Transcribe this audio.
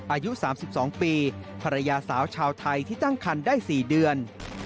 อายุ๓๒ปีภรรยาสาวชาวไทยที่ตั้งคันได้๔เดือน